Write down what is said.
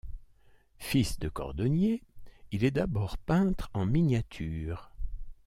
Fils de cordonnier, il est d'abord peintre en miniature.